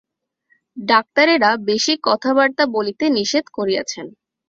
ডাক্তারেরা বেশী কথাবার্তা বলিতে নিষেধ করিয়াছেন।